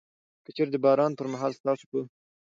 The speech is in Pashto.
که چيري د باران پر مهال ستاسو په